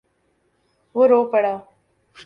وہ رو پڑا۔